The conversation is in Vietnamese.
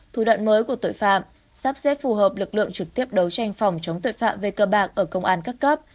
thủ đoạn mới của tội phạm sắp xếp phù hợp lực lượng trực tiếp đấu tranh phòng chống tội phạm về cơ bạc ở công an các cấp